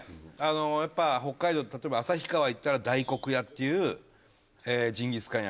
やっぱ北海道例えば旭川行ったら大黒屋っていうジンギスカン屋。